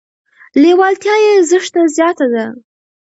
لیوالتیا یې زښته زیاته ده.